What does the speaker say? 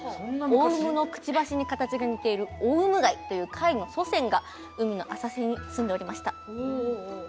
オウムのくちばしに形が似ているオウムガイという貝の祖先が海の浅瀬に住んでおりました。